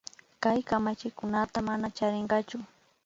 Kay kamachikunata mana charirkachu